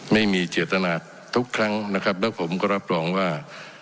ไม่มีเจตนาทุกครั้งนะครับแล้วผมก็รับรองว่า